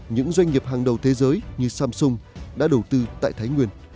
những doanh nghiệp hàng đầu thế giới như samsung đã đầu tư tại thái nguyên